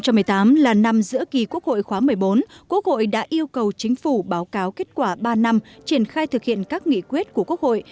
năm hai nghìn một mươi tám là năm giữa kỳ quốc hội khóa một mươi bốn quốc hội đã yêu cầu chính phủ báo cáo kết quả ba năm triển khai thực hiện các nghị quyết của quốc hội